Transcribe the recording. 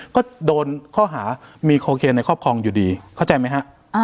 ก็โดนข้อหามีโคเคนในครอบครองอยู่ดีเข้าใจไหมฮะ